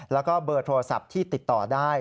แล้วก็เบอร์โทรศัพท์ที่ติดต่อได้